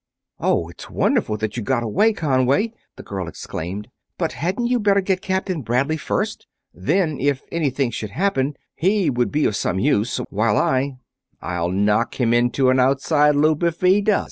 "Oh, it's wonderful that you got away, Conway!" the girl exclaimed. "But hadn't you better get Captain Bradley first? Then, if anything should happen, he would be of some use, while I...." "I'll knock him into an outside loop if he does!"